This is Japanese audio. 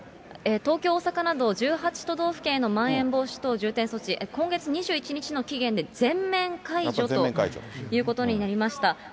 東京、大阪など１８都道府県へのまん延防止等重点措置、今月２１日の期限で全面解除ということになりました。